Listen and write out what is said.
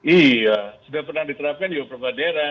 iya sudah pernah diterapkan ya bapak daerah